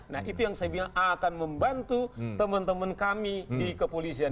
nah itu yang saya bilang akan membantu teman teman kami di kepolisian